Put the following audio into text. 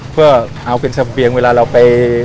เพื่อเอาเป็นเสบียงเวลาเราไป